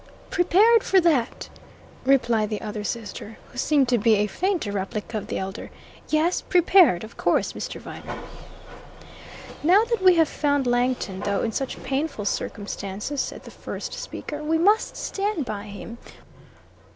"Prepared for that!" repeated the other sister, who seemed to be a fainter replica of the elder. "Yes, prepared, of course, Mr. Viner." "Now that we have found Langton, though in such painful circumstances," said the first speaker, "we must stand by him.